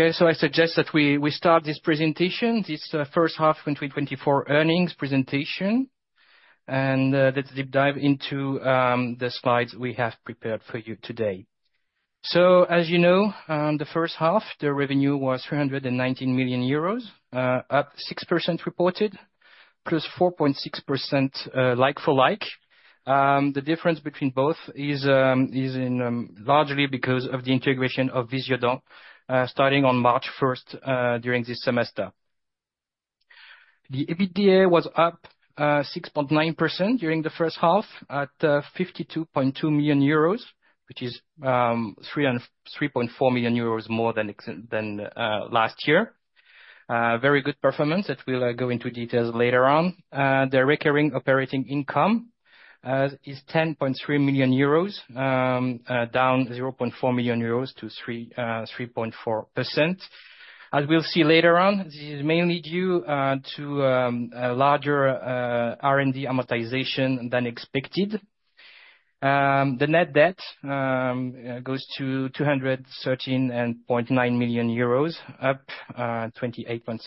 Okay, so I suggest that we start this presentation, this first half 2024 earnings presentation. Let's deep dive into the slides we have prepared for you today. As you know, the first half revenue was 319 million euros, up 6% reported, plus 4.6% like for like. The difference between both is largely because of the integration of Visiodent starting on March first during this semester. The EBITDA was up 6.9% during the first half at 52.2 million euros, which is 3.4 million euros more than last year. Very good performance that we'll go into details later on. The recurring operating income is 10.3 million euros, down 0.4 million euros to 3.4%. As we'll see later on, this is mainly due to a larger R&D amortization than expected. The net debt goes to 213.9 million euros, up 28.6%.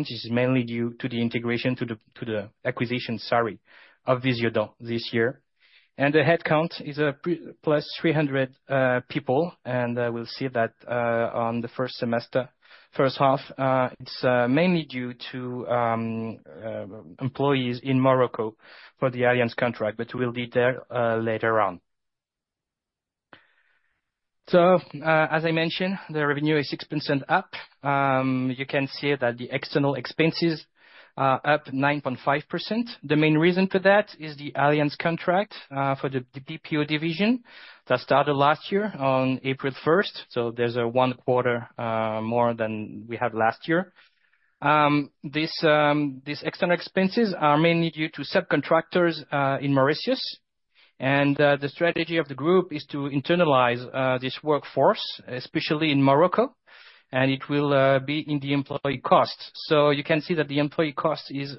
This is mainly due to the integration of the acquisition, sorry, of Visiodent this year. And the headcount is up 300 people, and we'll see that in the first half. It's mainly due to employees in Morocco for the Allianz contract, but we'll detail later on. As I mentioned, the revenue is up 6%. You can see that the external expenses are up 9.5%. The main reason for that is the Allianz contract for the BPO division that started last year on April first. So there's a one quarter more than we had last year. These external expenses are mainly due to subcontractors in Mauritius. The strategy of the group is to internalize this workforce, especially in Morocco, and it will be in the employee costs. So you can see that the employee cost is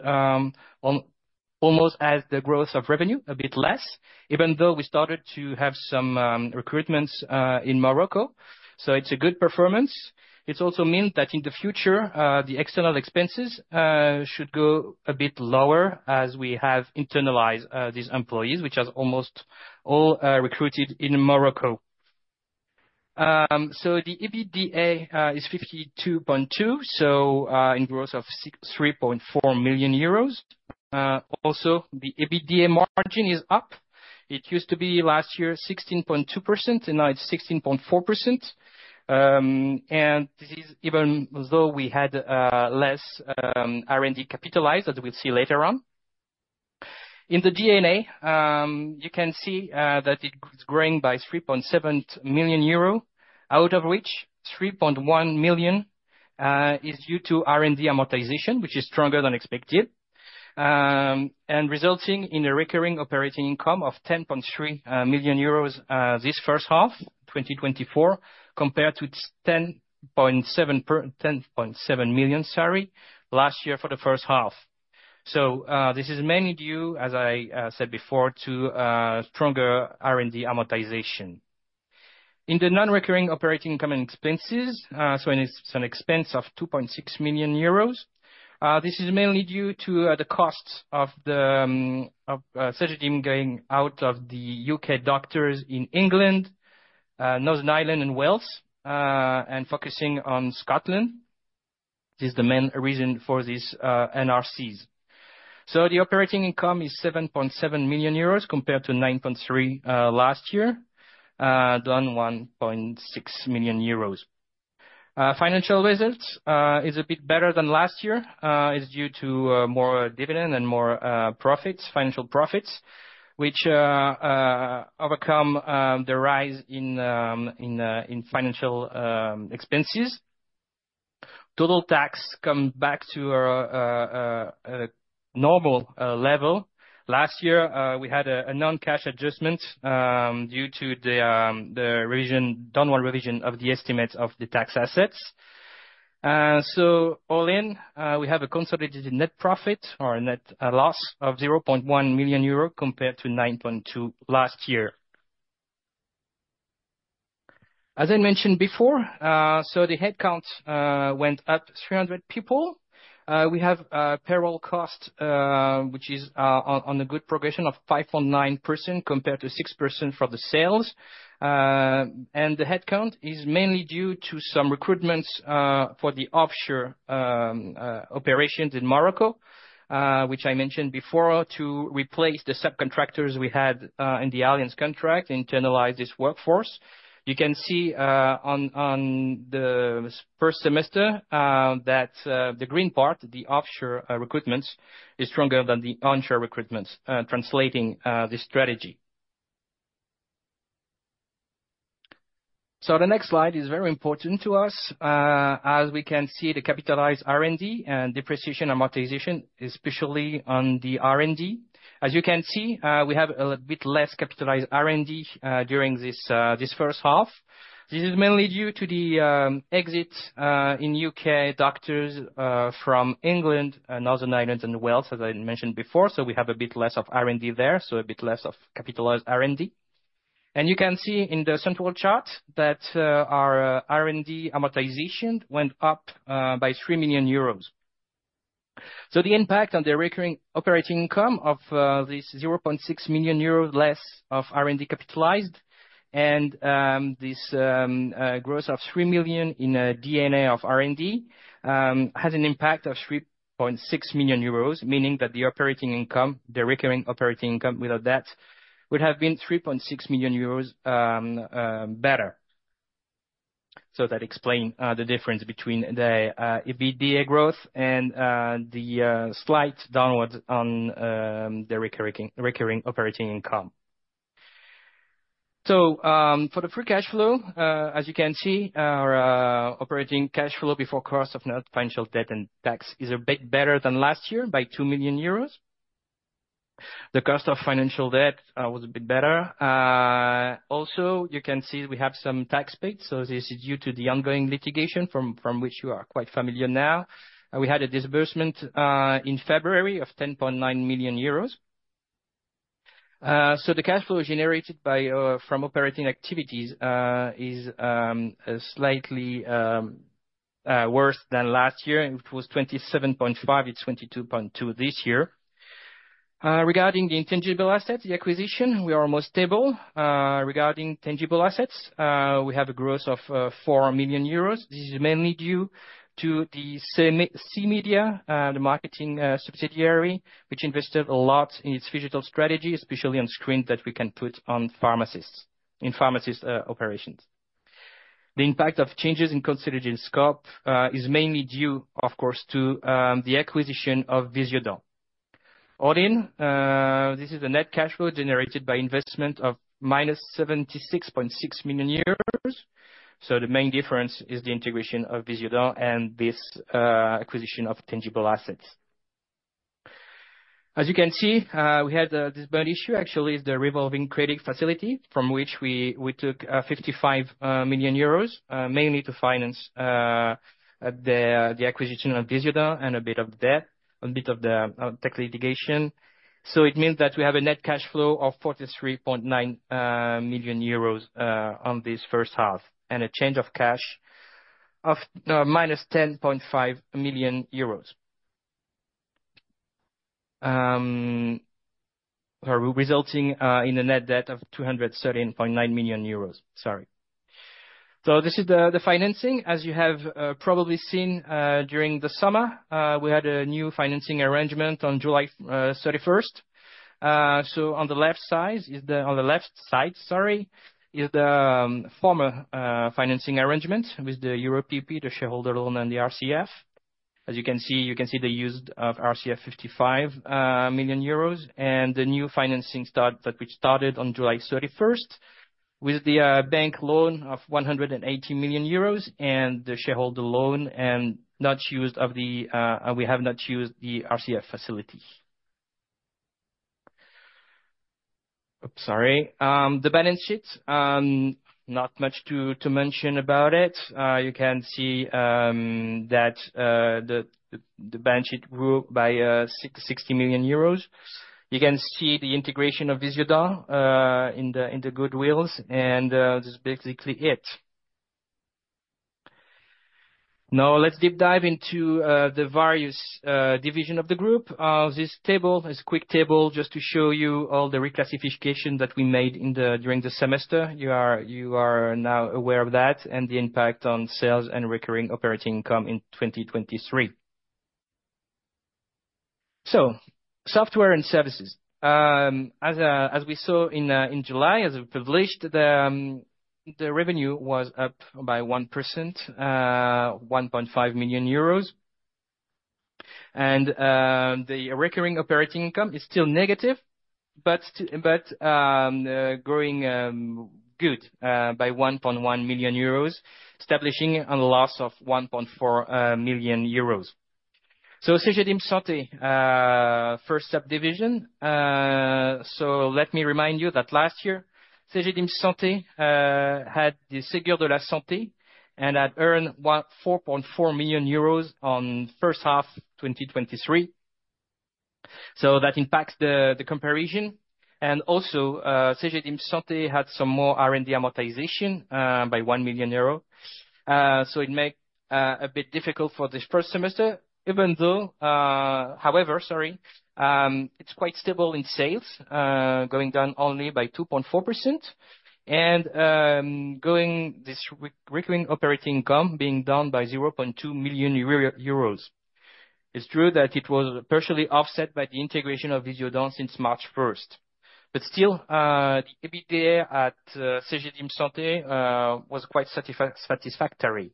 almost as the growth of revenue, a bit less, even though we started to have some recruitments in Morocco. So it's a good performance. It also means that in the future, the external expenses should go a bit lower as we have internalized these employees, which are almost all recruited in Morocco. So the EBITDA is 52.2 million, so in growth of 3.4 million euros. Also, the EBITDA margin is up. It used to be last year 16.2%, and now it's 16.4%, and this is even though we had less R&D capitalized, as we'll see later on. In the D&A, you can see that it is growing by 3.7 million euro, out of which 3.1 million is due to R&D amortization, which is stronger than expected. Resulting in a recurring operating income of 10.3 million euros this first half 2024, compared to its 10.7 million, sorry, last year for the first half. This is mainly due, as I said before, to stronger R&D amortization. In the non-recurring operating income and expenses, it's an expense of 2.6 million euros. This is mainly due to the costs of Cegedim going out of the UK doctors in England, Northern Ireland and Wales, and focusing on Scotland. This is the main reason for this NRCs. The operating income is 7.7 million euros compared to 9.3 last year, down 1.6 million euros. Financial results is a bit better than last year is due to more dividend and more profits, financial profits, which overcome the rise in financial expenses. Total tax come back to a normal level. Last year we had a non-cash adjustment due to the revision, downward revision of the estimates of the tax assets. So all in we have a consolidated net profit or a net loss of 0.1 million euro compared to 9.2 million last year. As I mentioned before so the headcount went up 300 people. We have payroll cost which is on a good progression of 5.9% compared to 6% for the sales. And the headcount is mainly due to some recruitments for the offshore operations in Morocco, which I mentioned before, to replace the subcontractors we had in the Allianz contract, internalize this workforce. You can see on the first semester that the green part, the offshore recruitments, is stronger than the onshore recruitments, translating this strategy, so the next slide is very important to us. As we can see, the capitalized R&D and depreciation amortization, especially on the R&D. As you can see, we have a bit less capitalized R&D during this first half. This is mainly due to the exit in U.K. doctors from England and Northern Ireland and Wales, as I mentioned before. So we have a bit less of R&D there, so a bit less of capitalized R&D. And you can see in the central chart that our R&D amortization went up by 3 million euros. So the impact on the recurring operating income of this 0.6 million euros less of R&D capitalized, and this growth of 3 million in D&A of R&D has an impact of 3.6 million euros, meaning that the operating income, the recurring operating income, without that, would have been 3.6 million euros better. So that explain the difference between the EBITDA growth and the slight downwards on the recurring operating income. For the free cash flow, as you can see, our operating cash flow before cost of net financial debt and tax is a bit better than last year by 2 million euros. The cost of financial debt was a bit better. Also, you can see we have some tax paid, so this is due to the ongoing litigation from which you are quite familiar now. And we had a disbursement in February of 10.9 million euros. So the cash flow generated by from operating activities is slightly worse than last year. It was 27.5, it's 22.2 this year. Regarding the intangible assets, the acquisition, we are more stable. Regarding tangible assets, we have a growth of 4 million euros. This is mainly due to the same C-Media, the marketing subsidiary, which invested a lot in its digital strategy, especially on screens that we can put in pharmacies, in pharmacy operations. The impact of changes in consolidated scope is mainly due, of course, to the acquisition of Visiodent. All in, this is the net cash flow generated by investment of -76.6 million euros. So the main difference is the integration of Visiodent and this acquisition of tangible assets. As you can see, we had this bond issue, actually, is the revolving credit facility, from which we took 55 million euros, mainly to finance the acquisition of Visiodent and a bit of debt, a bit of the tax litigation. So it means that we have a net cash flow of 43.9 million euros on this first half, and a change of cash of -10.5 million EUR. Resulting in a net debt of 213.9 million euros. Sorry. So this is the financing. As you have probably seen during the summer, we had a new financing arrangement on July thirty-first. So on the left side is the former financing arrangement with the Euro PP, the shareholder loan, and the RCF. As you can see, the use of RCF, 55 million euros, and the new financing start, that which started on July thirty-first, with the bank loan of 180 million euros and the shareholder loan and not used of the, we have not used the RCF facility. The balance sheet, not much to mention about it. You can see that the balance sheet grew by 60 million euros. You can see the integration of Visiodent in the goodwill, and that's basically it. Now, let's deep dive into the various divisions of the group. This table is a quick table just to show you all the reclassification that we made during the semester. You are now aware of that, and the impact on sales and recurring operating income in 2023. Software & Services. As we saw in July, as we published, the revenue was up by 1%, €1.5 million. The recurring operating income is still negative, but growing good by €1.1 million, establishing a loss of €1.4 million. Cegedim Santé, first subdivision. Let me remind you that last year, Cegedim Santé had the Ségur de la Santé, and had earned €4.4 million on first half 2023. That impacts the comparison. Cegedim Santé had some more R&D amortization by €1 million. So it make a bit difficult for this first semester, even though. However, sorry, it's quite stable in sales, going down only by 2.4%. And the recurring operating income being down by 0.2 million euros. It's true that it was partially offset by the integration of Visiodent since March first. But still, the EBITDA at Cegedim Santé was quite satisfactory.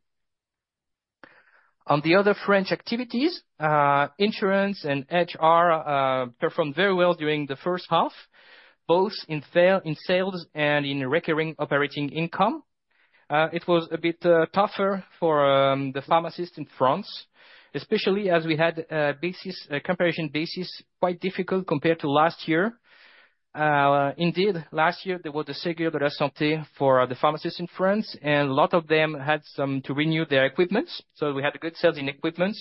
On the other French activities, insurance and HR, performed very well during the first half, both in sales and in recurring operating income. It was a bit tougher for the pharmacists in France, especially as we had a comparison basis quite difficult compared to last year. Indeed, last year, there was the Ségur de la Santé for the pharmacists in France, and a lot of them had some to renew their equipment, so we had good sales in equipment.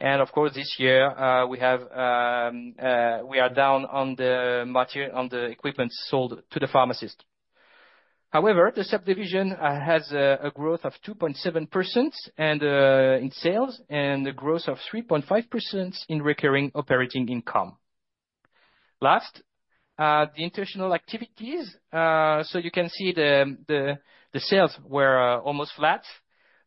And of course, this year, we are down on the equipment sold to the pharmacist. However, the subdivision has a growth of 2.7% in sales, and a growth of 3.5% in recurring operating income. Last, the international activities. So you can see the sales were almost flat.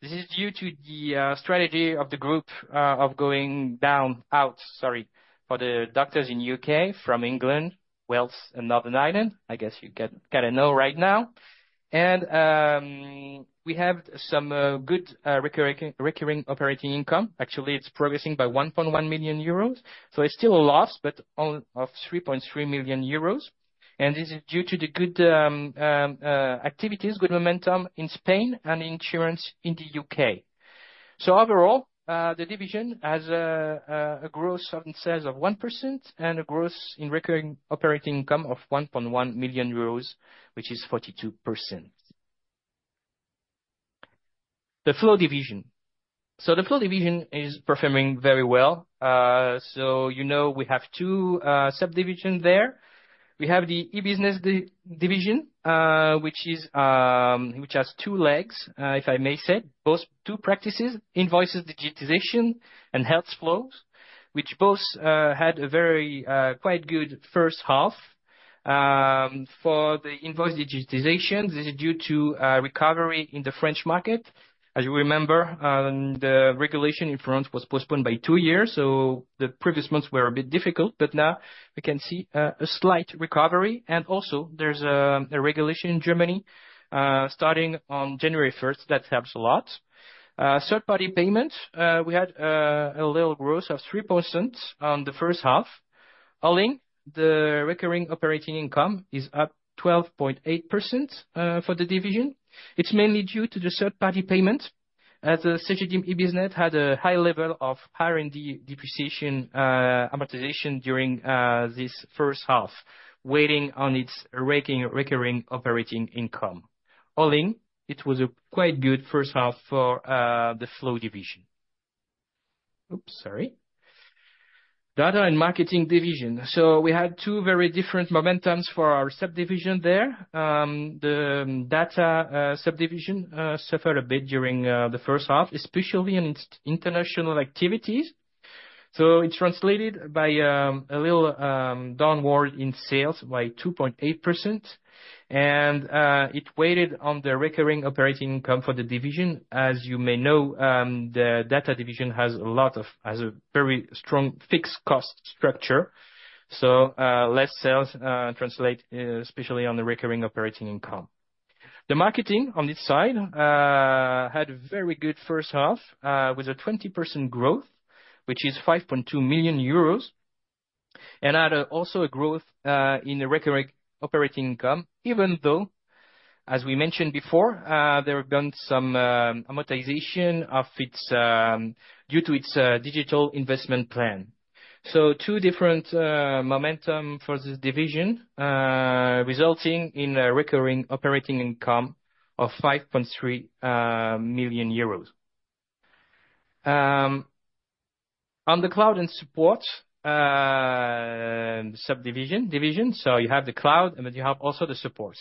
This is due to the strategy of the group of going out, sorry, for the doctors in U.K., from England, Wales, and Northern Ireland. I guess you gotta know right now. We have some good recurring operating income. Actually, it's progressing by 1.1 million euros, so it's still a loss, but of 3.3 million euros. This is due to the good activities, good momentum in Spain and insurance in the UK. Overall, the division has a growth in sales of 1% and a growth in recurring operating income of 1.1 million euros, which is 42%. The Flow division. The Flow division is performing very well. You know, we have two subdivisions there. We have the e-business division, which has two legs, if I may say. Both two practices, invoices, digitization, and health flows, which both had a very quite good first half. For the invoice digitization, this is due to recovery in the French market. As you remember, the regulation in France was postponed by two years, so the previous months were a bit difficult, but now we can see a slight recovery, and also there's a regulation in Germany starting on January first that helps a lot. Third-party payments, we had a little growth of 3% on the first half. All in, the recurring operating income is up 12.8% for the division. It's mainly due to the third-party payment, as the Cegedim e-business had a high level of R&D depreciation, amortization during this first half, waiting on its recurring operating income. All in, it was a quite good first half for the Flow division. Oops! Sorry. Data & Marketing division. So we had two very different momentums for our subdivision there. The data subdivision suffered a bit during the first half, especially in its international activities. So it's translated by a little downward in sales by 2.8%, and it weighed on the recurring operating income for the division. As you may know, the data division has a very strong fixed cost structure, so less sales translate especially on the recurring operating income. The Media on this side had a very good first half with a 20% growth, which is 5.2 million euros, and had also a growth in the recurring operating income, even though, as we mentioned before, there have been some amortization of its due to its digital investment plan. There are two different momentum for this division resulting in a recurring operating income of 5.3 million euros. On the cloud and support subdivision, so you have the cloud, and then you have also the support.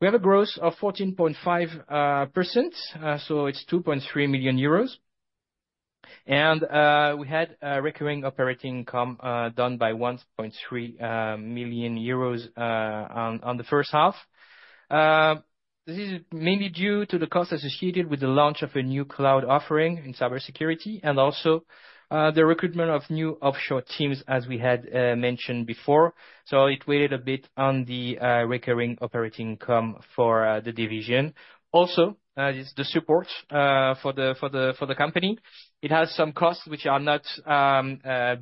We have a growth of 14.5%, so it's 2.3 million euros. And we had a recurring operating income down by 1.3 million euros on the first half. This is mainly due to the cost associated with the launch of a new cloud offering in cybersecurity, and also the recruitment of new offshore teams, as we had mentioned before. So it waited a bit on the recurring operating income for the division. Also, the support for the company. It has some costs which are not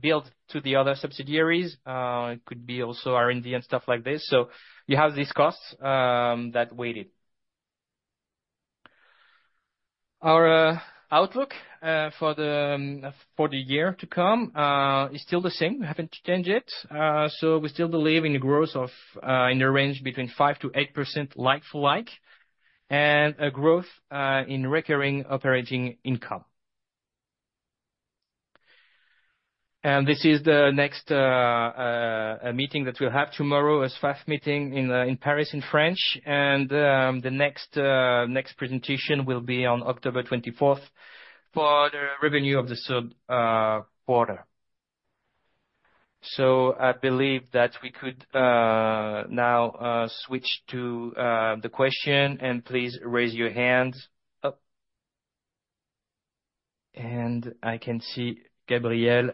billed to the other subsidiaries. It could be also R&D and stuff like this. So you have these costs that weighted. Our outlook for the year to come is still the same. We haven't changed it. So we still believe in the growth in the range between 5% to 8%, like for like, and a growth in recurring operating income. This is the next meeting that we'll have tomorrow, a staff meeting in Paris, in French. The next presentation will be on October twenty-fourth for the revenue of the third quarter. I believe that we could now switch to the question. Please raise your hand up. I can see Gabriel.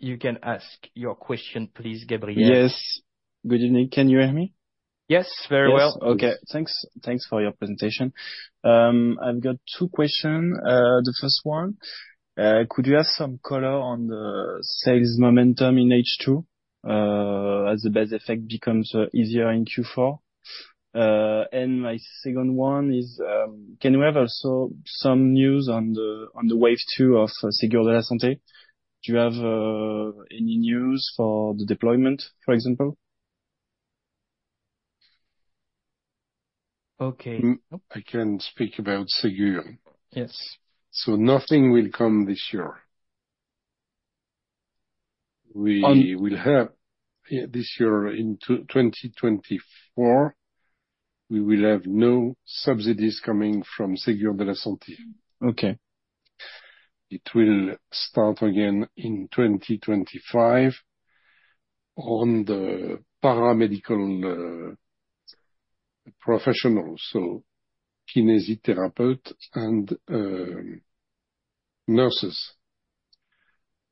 You can ask your question, please, Gabriel. Yes. Good evening. Can you hear me? Yes, very well. Okay. Thanks, thanks for your presentation. I've got two questions. The first one, could you have some color on the sales momentum in H2, as the base effect becomes easier in Q4? And my second one is, can you have also some news on the wave two of Sécurité Sociale? Do you have any news for the deployment, for example? Okay. I can speak about Ségur. Yes. Nothing will come this year. We will have, this year in twenty twenty-four, we will have no subsidies coming from Ségur de la Santé. Okay. It will start again in 2025 on the paramedical professional, so kinesitherapy and nurses.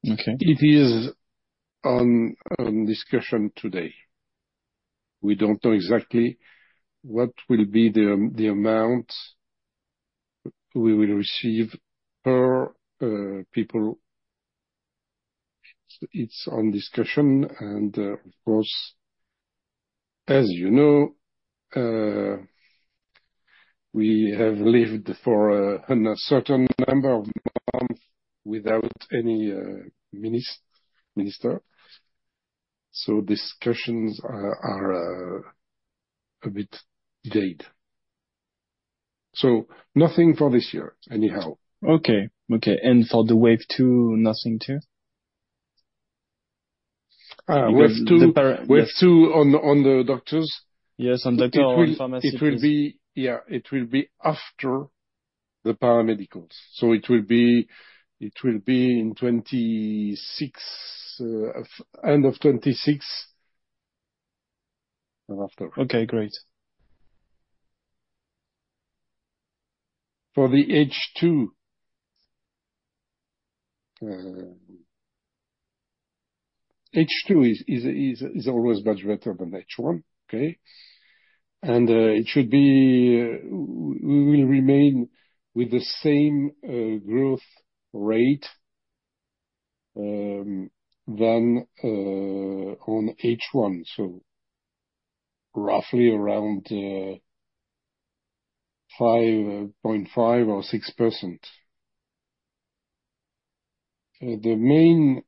Okay. It is on discussion today. We don't know exactly what will be the amount we will receive per people. It's on discussion, and, of course, as you know, we have lived for an uncertain number of months without any minister, so discussions are a bit late. So nothing for this year, anyhow. Okay. Okay, and for the wave two, nothing, too? wave two. The para. Wave two on the doctors? Yes, on doctors or pharmacists. It will be. Yeah, it will be after the paramedicals, so it will be, it will be in 2026, or end of 2026 and after. Okay, great. For the H two, H two is always much better than H one, okay? It should be we will remain with the same growth rate than on H one, so roughly around five point five or six percent. The main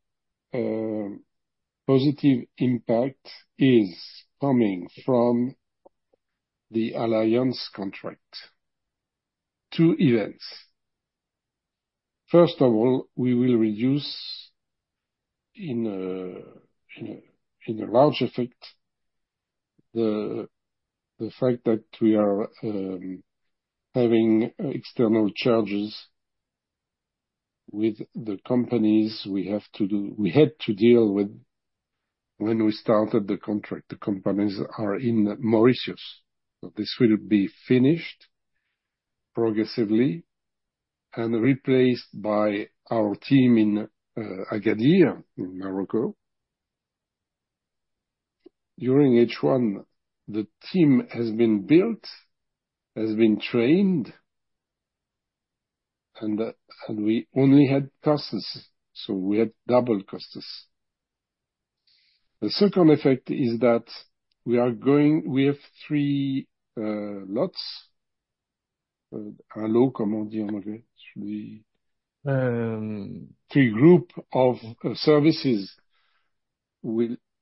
positive impact is coming from the Allianz contract. Two events: First of all, we will reduce in a large effect the fact that we are having external charges with the companies we had to deal with when we started the contract. The companies are in Mauritius. This will be finished progressively and replaced by our team in Agadir, in Morocco. During H one, the team has been built, has been trained, and we only had costs, so we had double costs. The second effect is that we have three groups of services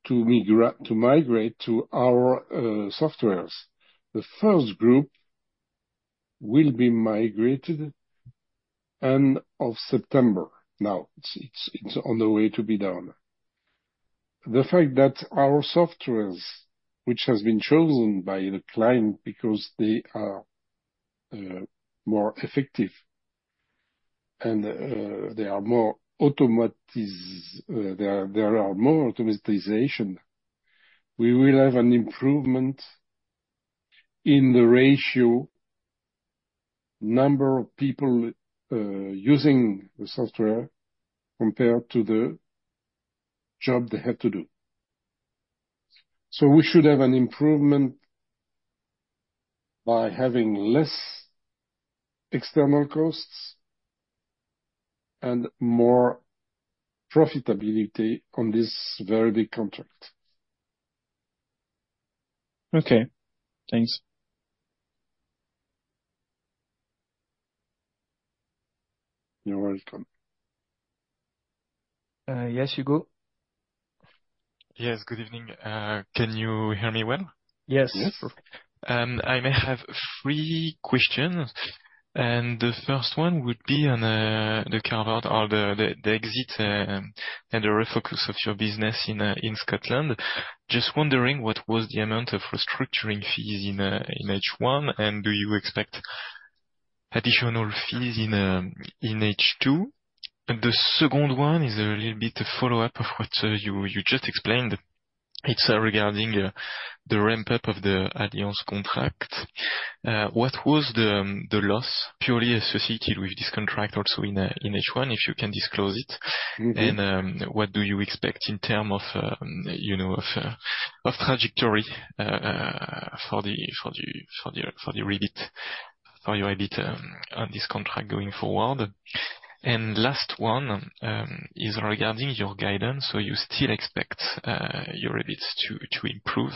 to migrate to our softwares. The first group will be migrated end of September. Now, it's on the way to be done. The fact that our softwares, which has been chosen by the client because they are more effective and there are more automation. We will have an improvement in the ratio, number of people using the software compared to the job they had to do. So we should have an improvement by having less external costs and more profitability on this very big contract. Okay, thanks. You're welcome. Yes, Hugo? Yes, good evening. Can you hear me well? Yes. Yes. I may have three questions, and the first one would be on the carve-out or the exit and the refocus of your business in Scotland. Just wondering, what was the amount of restructuring fees in H1, and do you expect additional fees in H2? And the second one is a little bit a follow-up of what you just explained. It's regarding the ramp-up of the Allianz contract. What was the loss purely associated with this contract also in H1, if you can disclose it? Mm-hmm. What do you expect in terms of, you know, of trajectory for the rebate, for your rebate on this contract going forward? Last one is regarding your guidance. You still expect your rebates to improve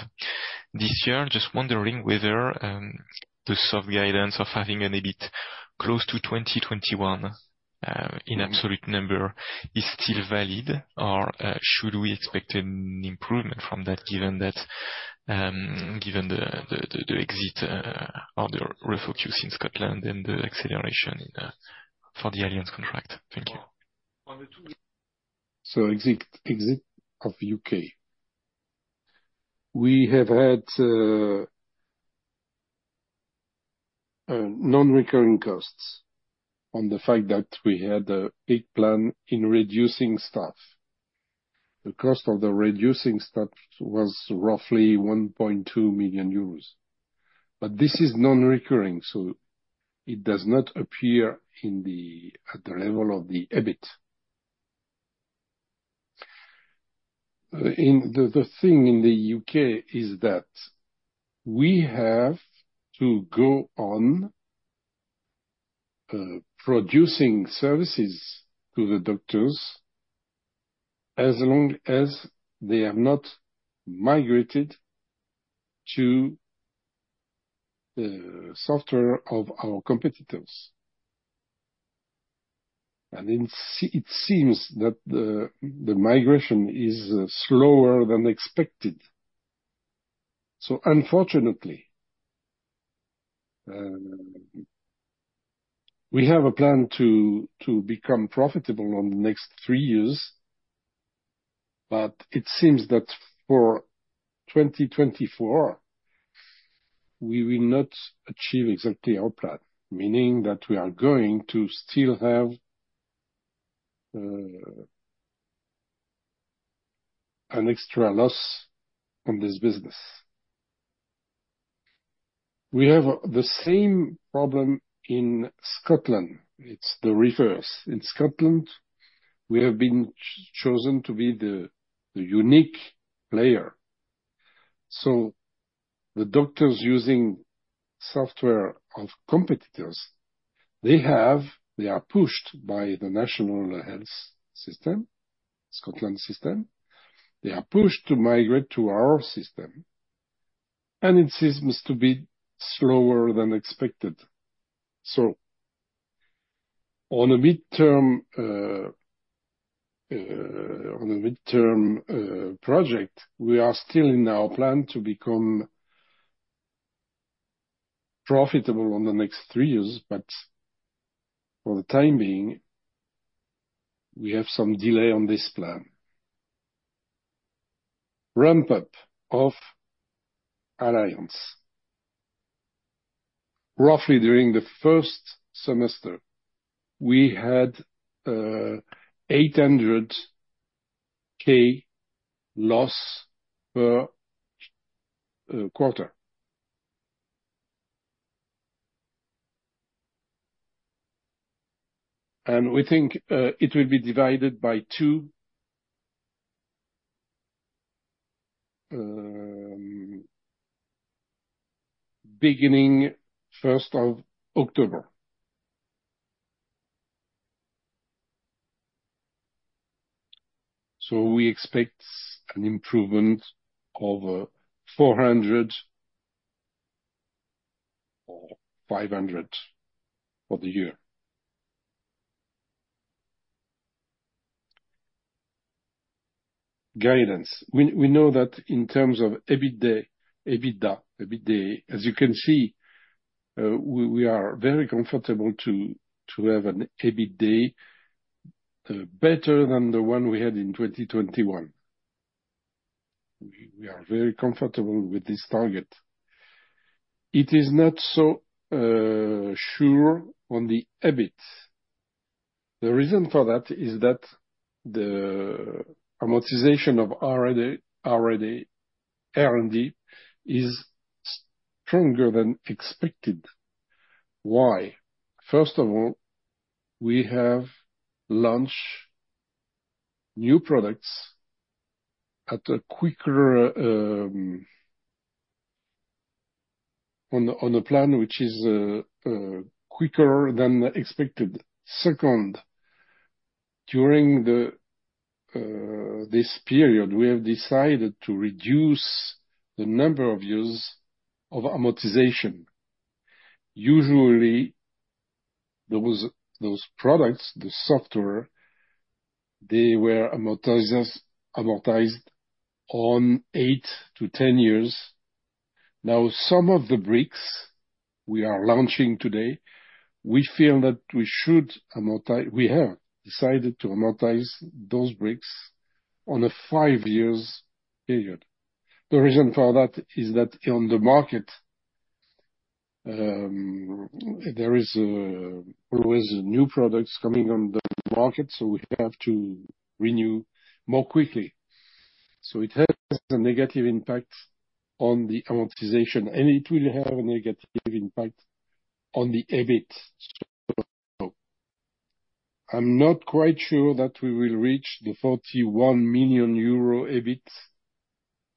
this year. Just wondering whether the soft guidance of having an EBIT close to 2021 in absolute number is still valid, or should we expect an improvement from that, given the exit or the refocus in Scotland and the acceleration in for the Allianz contract? Thank you. Exit of U.K. We have had non-recurring costs on the fact that we had a big plan in reducing staff. The cost of the reducing staff was roughly 1.2 million euros, but this is non-recurring, so it does not appear at the level of the EBIT. In the thing in the U.K. is that we have to go on producing services to the doctors as long as they have not migrated to the software of our competitors. And it seems that the migration is slower than expected. Unfortunately, we have a plan to become profitable on the next three years, but it seems that for twenty twenty-four, we will not achieve exactly our plan, meaning that we are going to still have an extra loss on this business. We have the same problem in Scotland. It's the reverse. In Scotland, we have been chosen to be the unique player. So the doctors using software of competitors, they have... They are pushed by the national health system, Scotland system. They are pushed to migrate to our system, and it seems to be slower than expected. So on a midterm project, we are still in our plan to become profitable on the next three years, but for the time being, we have some delay on this plan. Ramp up of Allianz. Roughly during the first semester, we had 800,000 loss per quarter. And we think it will be divided by two beginning first of October. So we expect an improvement of 400,000 or 500,000 for the year. Guidance. We know that in terms of EBITDA, EBITDA, as you can see, we are very comfortable to have an EBITDA better than the one we had in 2021. We are very comfortable with this target. It is not so sure on the EBIT. The reason for that is that the amortization of R&D is stronger than expected. Why? First of all, we have launched new products at a quicker, on a, on a plan which is quicker than expected. Second, during this period, we have decided to reduce the number of years of amortization. Usually, those products, the software, they were amortized on eight to 10 years. Now, some of the bricks we are launching today, we feel that we should amortize. We have decided to amortize those bricks on a five-year period. The reason for that is that on the market, there is always new products coming on the market, so we have to renew more quickly. So it has a negative impact on the amortization, and it will have a negative impact on the EBIT. So I'm not quite sure that we will reach the 41 million euro EBIT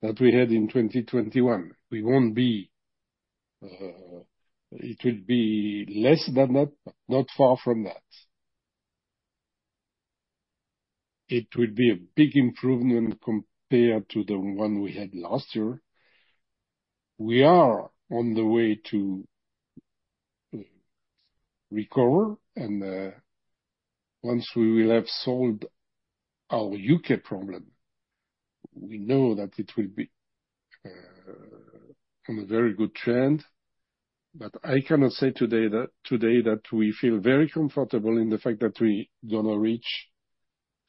that we had in 2021. We won't be. It will be less, but not far from that. It will be a big improvement compared to the one we had last year. We are on the way to recover, and once we will have solved our UK problem, we know that it will be on a very good trend. But I cannot say today that today that we feel very comfortable in the fact that we're gonna reach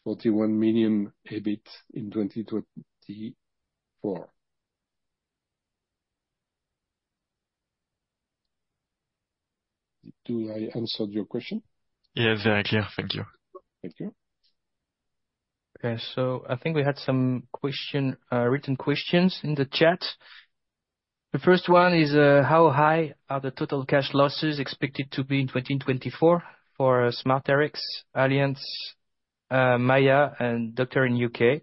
€41 million EBIT in 2024. Do I answer your question? Yes, very clear. Thank you. Thank you. Okay, so I think we had some question, written questions in the chat. The first one is, how high are the total cash losses expected to be in 2024 for SmartRx, Allianz, Maia, and Doctor in U.K.?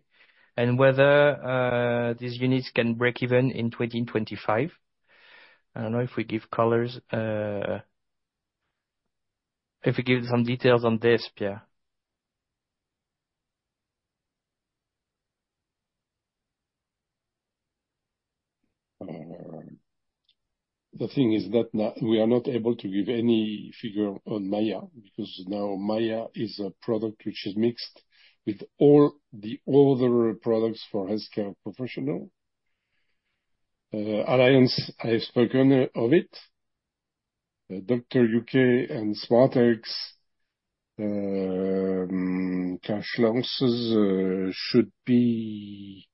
And whether these units can break even in 2025. I don't know if we give colors, if we give some details on this, Pierre. The thing is that we are not able to give any figure on Maiia, because now Maiia is a product which is mixed with all the other products for healthcare professional. Allianz, I have spoken of it. Doctor UK and SmartRx, cash losses, should be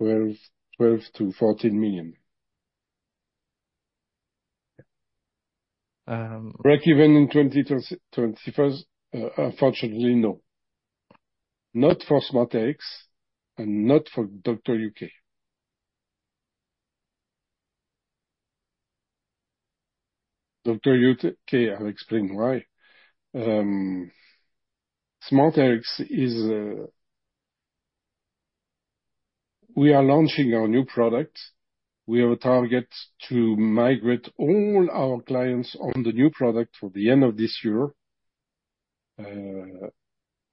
€12 million-€14 million. Um- Breakeven in 2021, unfortunately, no. Not for SmartRx and not for Doctor UK. Doctor UK, I'll explain why. SmartRx is. We are launching our new product. We have a target to migrate all our clients on the new product for the end of this year.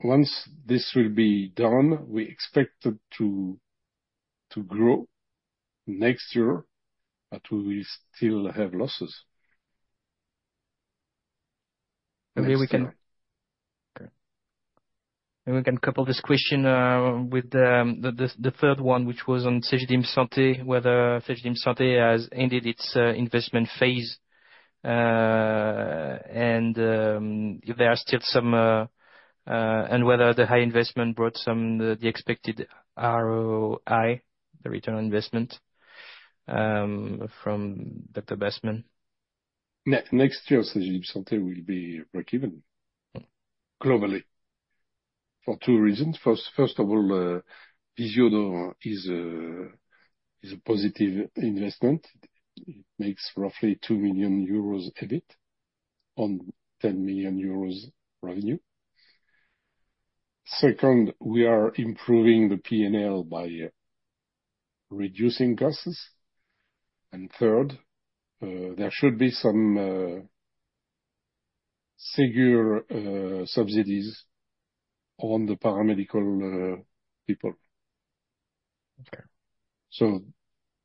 Once this will be done, we expect it to grow next year, but we will still have losses. We can Okay. And we can couple this question with the third one, which was on Cegedim Santé, whether Cegedim Santé has ended its investment phase, and if there are still some, and whether the high investment brought some the expected ROI, the return on investment. Next year, Cegedim Santé will be break even globally for two reasons. First, first of all, Visiodent is a positive investment. It makes roughly 2 million euros EBIT on 10 million euros revenue. Second, we are improving the P&L by reducing costs. And third, there should be some figure subsidies on the paramedical people. Okay.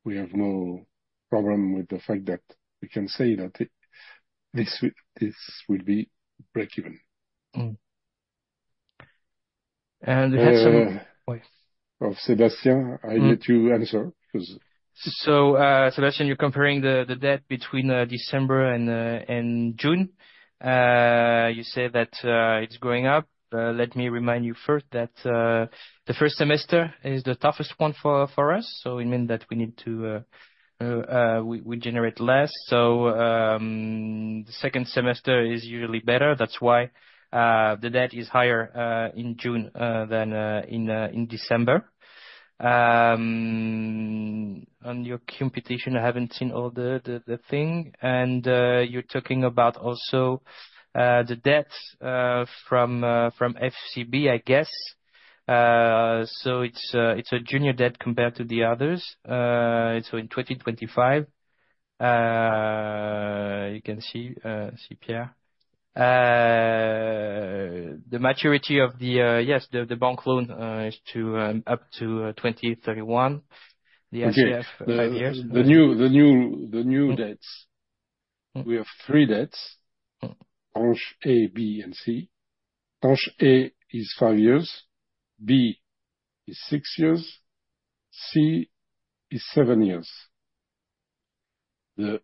We have no problem with the fact that we can say that this will be breakeven. And we had some Uh Yes. Oh, Sebastian, I let you answer because Sebastian, you're comparing the debt between December and June. You say that it's going up. Let me remind you first that the first semester is the toughest one for us, so it means that we need to generate less. The second semester is usually better. That's why the debt is higher in June than in December. On your competition, I haven't seen all the thing. You're talking about also the debt from FCB, I guess. It's a junior debt compared to the others. In 2025, you can see Pierre. The maturity of the bank loan is up to 2031. The RCF five years. The new debts We have three debts. Tranche A, B, and C. Tranche A is five years, B is six years, C is seven years. The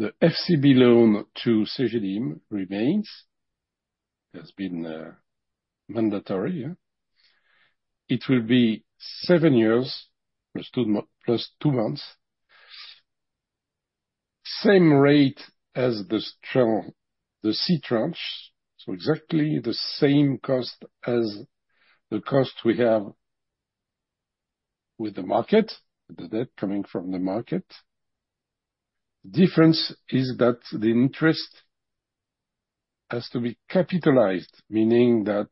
FCB loan to Cegedim remains, has been mandatory, yeah. It will be seven years, plus two months. Same rate as the tranche, the C tranche, so exactly the same cost as the cost we have with the market, the debt coming from the market. Difference is that the interest has to be capitalized, meaning that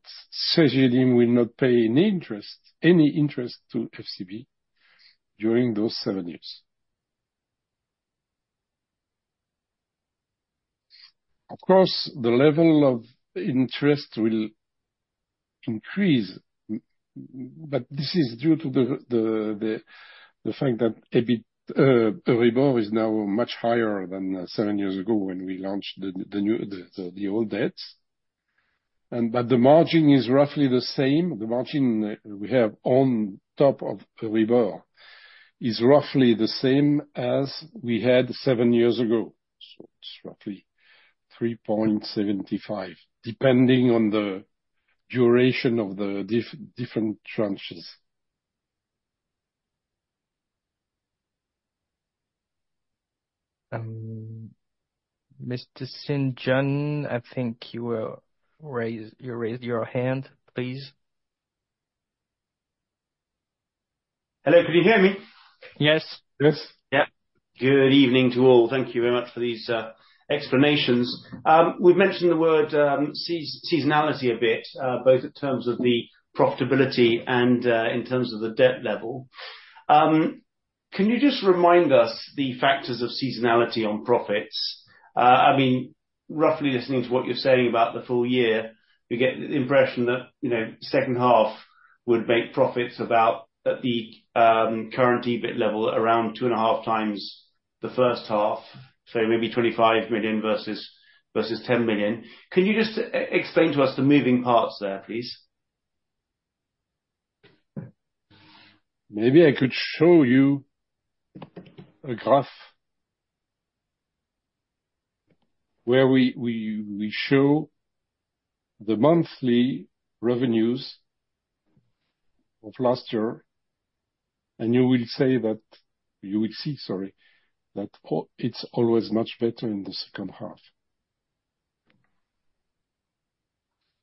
Cegedim will not pay any interest, any interest to FCB during those seven years. Of course, the level of interest will increase, but this is due to the fact that EBIT, Euribor is now much higher than seven years ago when we launched the old debts. And but the margin is roughly the same. The margin we have on top of Euribor is roughly the same as we had seven years ago, so it's roughly three point seventy-five, depending on the duration of the different tranches. Mr. St. John, I think you raised your hand, please. Hello, can you hear me? Yes. Yes. Yeah. Good evening to all. Thank you very much for these explanations. We've mentioned the word seasonality a bit, both in terms of the profitability and in terms of the debt level. Can you just remind us the factors of seasonality on profits? I mean, roughly listening to what you're saying about the full year, we get the impression that, you know, second half would make profits about, at the current EBIT level, around two and a half times the first half, so maybe 25 million versus 10 million. Can you just explain to us the moving parts there, please? Maybe I could show you a graph where we show the monthly revenues of last year, and you will say that. You will see, sorry, that all it's always much better in the second half.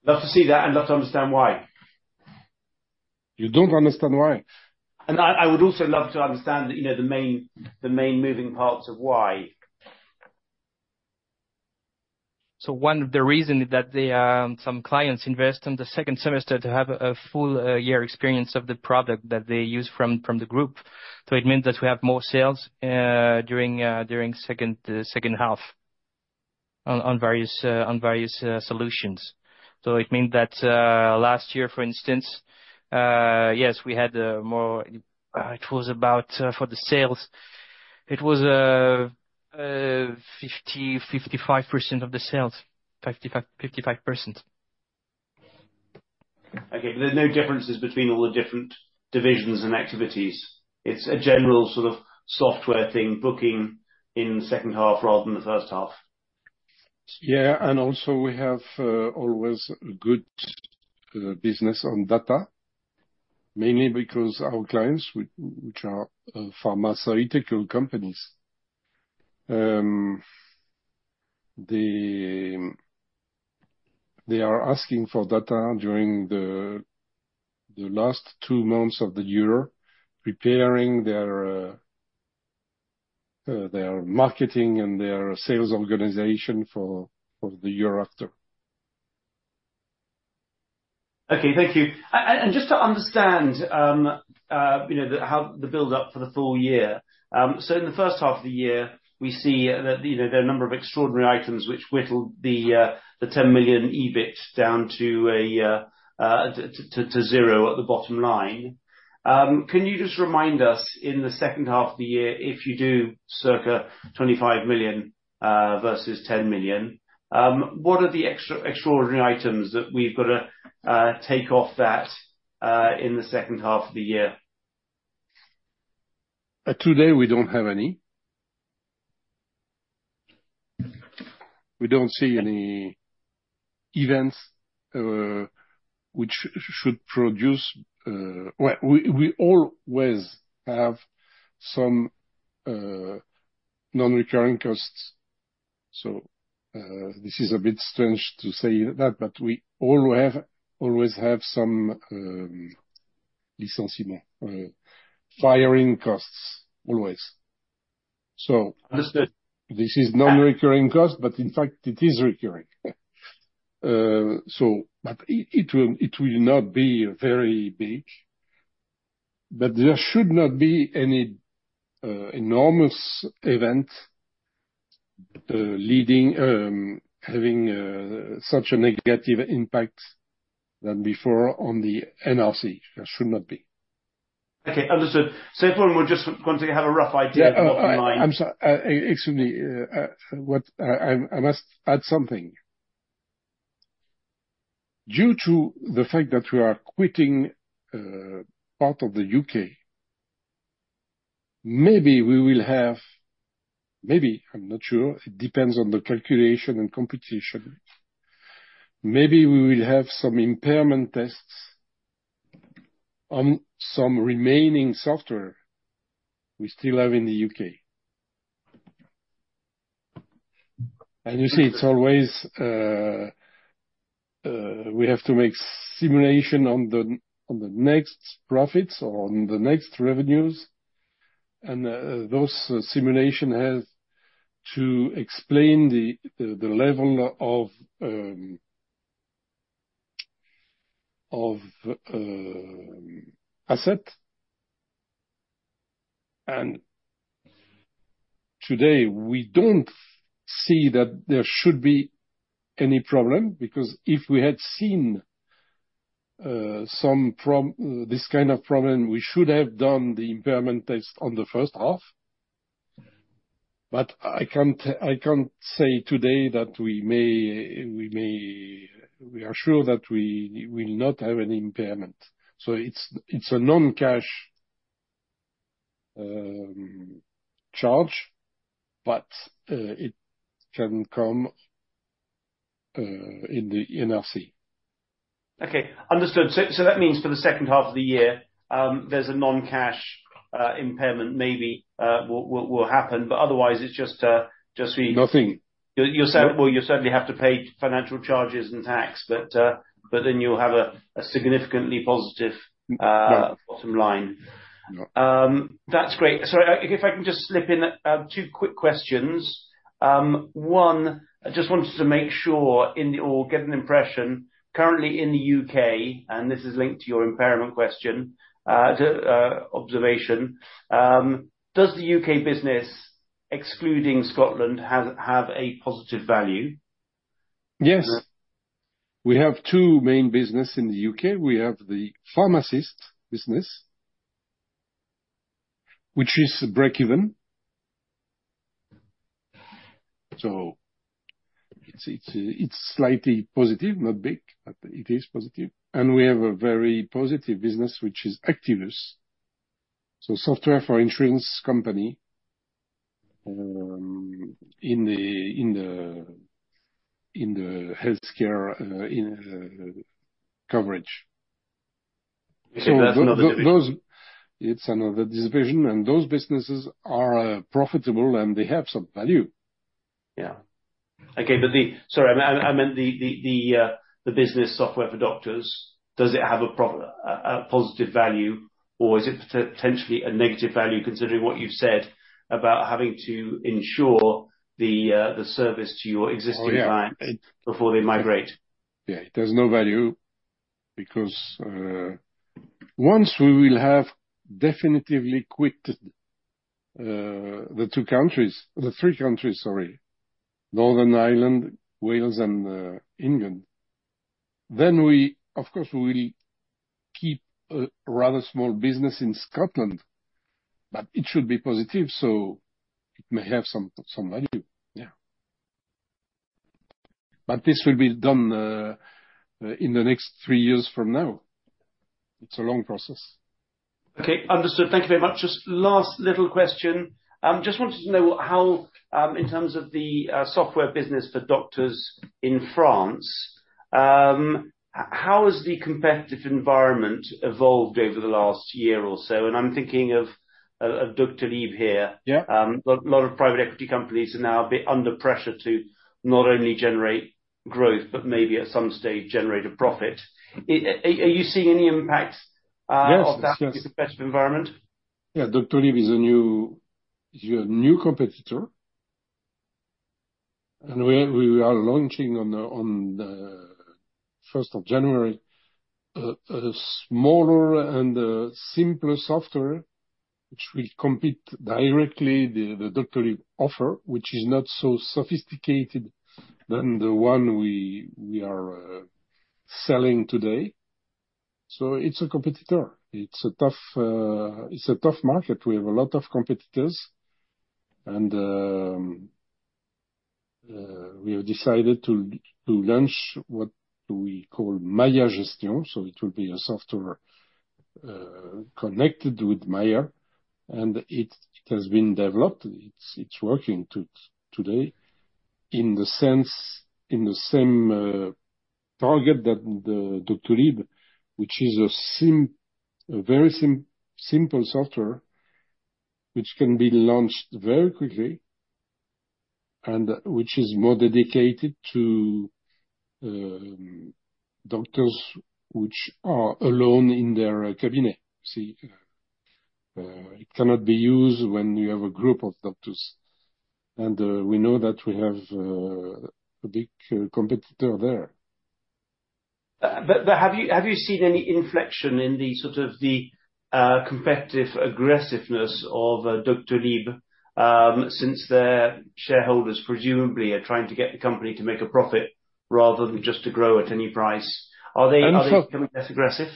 Love to see that, and love to understand why. You don't understand why? I would also love to understand, you know, the main moving parts of why. So one of the reason is that some clients invest in the second semester to have a full year experience of the product that they use from the group. So it means that we have more sales during second half on various solutions. So it means that last year, for instance, yes, we had more. It was about, for the sales, it was 55% of the sales. 55%. Okay. There's no differences between all the different divisions and activities? It's a general sort of software thing, booking in the second half rather than the first half. Yeah, and also we have always good business on data, mainly because our clients, which are pharmaceutical companies, they are asking for data during the last two months of the year, preparing their marketing and their sales organization for the year after. Okay, thank you. And just to understand, you know, the how, the build-up for the full year. So in the first half of the year, we see that, you know, there are a number of extraordinary items which whittled the €10 million EBIT down to 0 at the bottom line. Can you just remind us, in the second half of the year, if you do circa €25 million versus €10 million, what are the extraordinary items that we've got to take off that in the second half of the year? Today, we don't have any. We don't see any events which should produce. Well, we always have some non-recurring costs, so this is a bit strange to say that, but we always have some French firing costs, always. So Understood. This is non-recurring costs, but in fact, it is recurring. So but it will not be very big. But there should not be any enormous event leading having such a negative impact than before on the NRC. There should not be. Okay, understood. So if one were just going to have a rough idea of the bottom line- Yeah. I'm sorry. Excuse me, I must add something. Due to the fact that we are quitting part of the UK, maybe we will have, maybe, I'm not sure, it depends on the calculation and competition. Maybe we will have some impairment tests on some remaining software we still have in the UK. And you see, it's always we have to make simulation on the next profits or on the next revenues, and those simulation has to explain the level of asset. And today, we don't see that there should be any problem, because if we had seen this kind of problem, we should have done the impairment test on the first half. But I can't say today that we are sure that we will not have any impairment. So it's a non-cash charge, but it can come in the NRC. Okay, understood. So that means for the second half of the year, there's a non-cash impairment maybe will happen, but otherwise it's just the- Nothing. Well, you'll certainly have to pay financial charges and tax, but, but then you'll have a significantly positive- Yeah. bottom line. Yeah. That's great. Sorry, if I can just slip in two quick questions. One, I just wanted to make sure, or get an impression, currently in the UK, and this is linked to your impairment question, observation, does the UK business, excluding Scotland, have a positive value? Yes. We have two main business in the UK. We have the pharmacist business, which is breakeven. So it's slightly positive, not big, but it is positive. And we have a very positive business, which is Activus. So software for insurance company in the healthcare coverage. So that's another division. It's another division, and those businesses are profitable, and they have some value. Yeah. Okay, but. Sorry, I meant the business software for doctors. Does it have a positive value, or is it potentially a negative value, considering what you've said about having to ensure the service to your existing- Oh, yeah clients before they migrate? Yeah, it has no value because, once we will have definitively quit the two countries, the three countries, sorry, Northern Ireland, Wales, and England, then we-- of course, we will keep a rather small business in Scotland, but it should be positive, so it may have some value, yeah. But this will be done in the next three years from now. It's a long process. Okay, understood. Thank you very much. Just last little question. Just wanted to know how, in terms of the software business for doctors in France, how has the competitive environment evolved over the last year or so? And I'm thinking of Doctolib here. Yeah. A lot of private equity companies are now a bit under pressure to not only generate growth, but maybe at some stage, generate a profit. Are you seeing any impact? Yes of that, competitive environment? Yeah, Doctolib is a new competitor. And we are launching on the first of January a smaller and a simpler software, which will compete directly the Doctolib offer, which is not so sophisticated than the one we are selling today. So it's a competitor. It's a tough market. We have a lot of competitors, and we have decided to launch what we call Maiia Gestion. So it will be a software connected with Maiia, and it has been developed. It's working today, in the sense, in the same target that the Doctolib, which is a very simple software, which can be launched very quickly, and which is more dedicated to doctors which are alone in their cabinet. See, it cannot be used when you have a group of doctors, and we know that we have a big competitor there. But have you seen any inflection in the sort of competitive aggressiveness of Doctolib? Since their shareholders presumably are trying to get the company to make a profit rather than just to grow at any price. Are they Unfor Are they becoming less aggressive?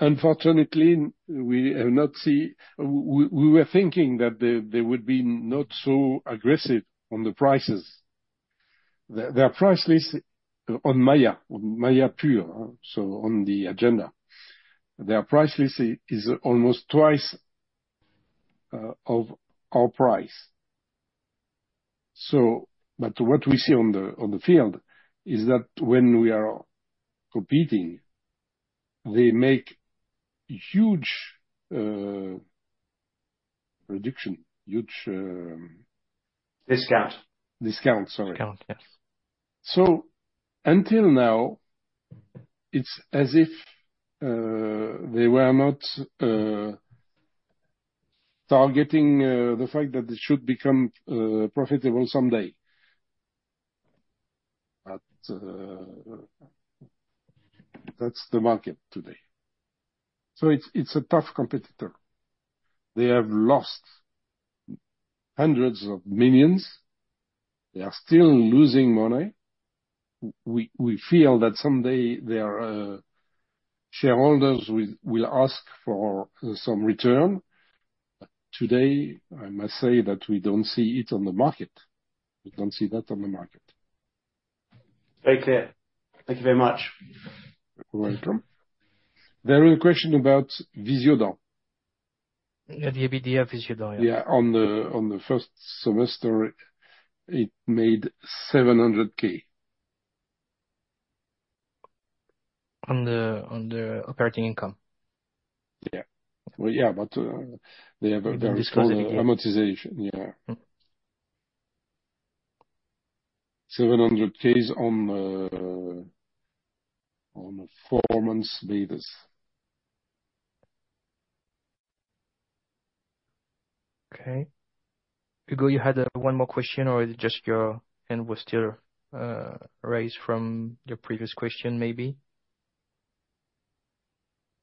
Unfortunately, we have not seen. We were thinking that they would be not so aggressive on the prices. Their price list on Maiia, so on the agenda, their price list is almost twice of our price. But what we see on the field is that when we are competing, they make huge reduction, huge. Discount. Discount, sorry. Discount, yes. So until now, it's as if they were not targeting the fact that it should become profitable someday. But that's the market today. So it's a tough competitor. They have lost hundreds of millions. They are still losing money. We feel that someday their shareholders will ask for some return, but today, I must say that we don't see it on the market. We don't see that on the market. Very clear. Thank you very much. You're welcome. There is a question about Visiodent. The EBITDA Visiodent. Yeah, on the, on the first semester, it made EUR 700,000. On the operating income? Yeah. Well, yeah, but they have a very small amortization. Yeah. EUR 700,000 on the four months later. Okay. Hugo, you had one more question, or is it just your hand was still raised from your previous question, maybe?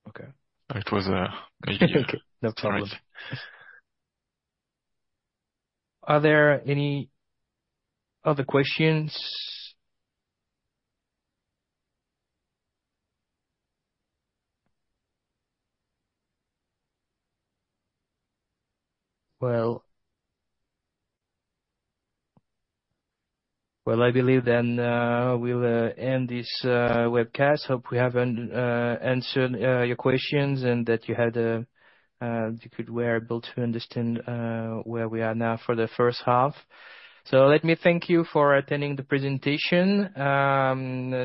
Okay. It was me. Okay, no problem. Are there any other questions? Well, I believe then we'll end this webcast. I hope we have answered your questions and that you were able to understand where we are now for the first half. So let me thank you for attending the presentation.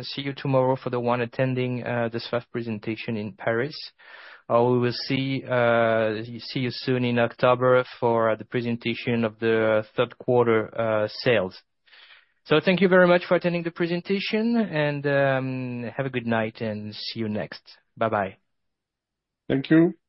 See you tomorrow for those attending the first presentation in Paris. We will see you soon in October for the presentation of the third quarter sales. So thank you very much for attending the presentation, and have a good night and see you next. Bye-bye. Thank you. Bye-bye.